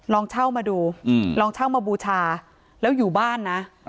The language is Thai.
ลองเช่ามาดูลองเช่ามาบูชาแล้วอยู่บ้านนะ